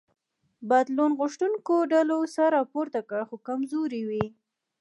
بدلون غوښتونکو ډلو سر راپورته کړ خو کمزوري وې.